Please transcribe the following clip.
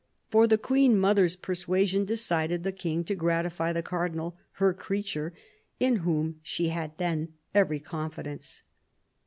For the Queen mother's persuasion decided the King to gratify the Cardinal her creature, in whom she had then every confidence."